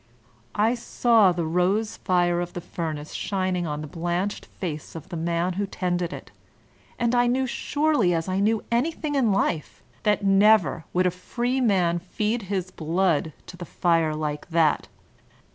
I saw the rose fire of the furnace shining on the blanched face of the man who tended it, and knew surely as I knew anything in life, that never would a free man feed his blood to the fire like that.